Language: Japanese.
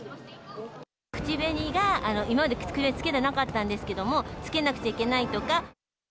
口紅が今までつけてなかったんですけども、つけなくちゃいけないとか。